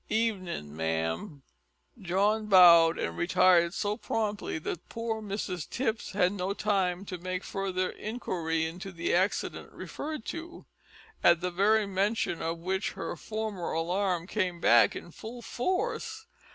Evenin', ma'am." John bowed, and retired so promptly that poor Mrs Tipps had no time to make further inquiry into the accident referred to at the very mention of which her former alarm came back in full force.